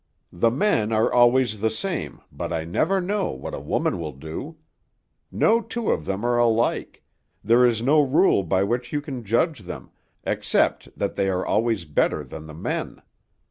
The men are always the same, but I never know what a woman will do. No two of them are alike; there is no rule by which you can judge them, except that they are always better than the men.